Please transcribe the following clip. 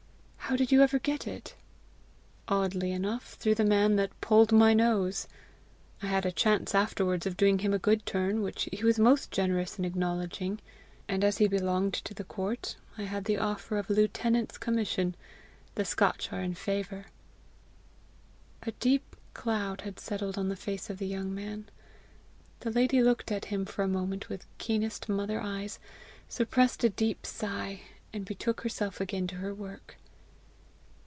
How did you ever get it?" "Oddly enough, through the man that pulled my nose. I had a chance afterwards of doing him a good turn, which he was most generous in acknowledging; and as he belonged to the court, I had the offer of a lieutenant's commission. The Scotch are in favour." A deep cloud had settled on the face of the young man. The lady looked at him for a moment with keenest mother eyes, suppressed a deep sigh, and betook herself again to her work.